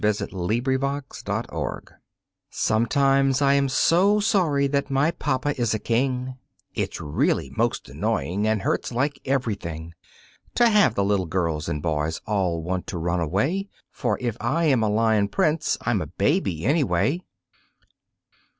T. Ross ANIMAL CHILDREN Sometimes I am so sorry that my papa is a king, It's really most annoying and hurts like everything To have the little girls and boys all want to run away, For if I am a Lion prince, I'm a baby, anyway!